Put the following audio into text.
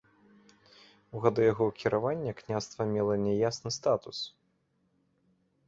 У гады яго кіравання княства мела няясны статус.